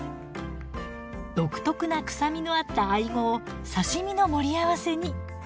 独特な臭みのあったアイゴを刺身の盛り合わせに。